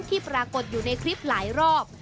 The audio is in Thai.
ที่ปรากฏอยู่ในคลิปหลายรอบ